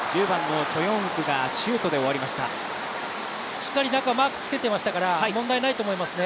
しっかりマークつけてましたから問題ないと思いますね。